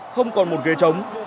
không còn một ghế chống